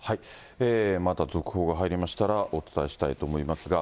また続報が入りましたら、お伝えしたいと思いますが。